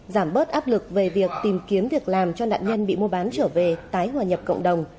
giảm bớt áp lực về việc tìm kiếm việc làm cho nạn nhân bị mua bán trở về tái hòa nhập cộng đồng